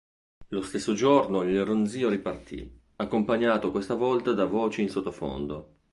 Lo stesso giorno il ronzio ripartì, accompagnato questa volta da voci in sottofondo.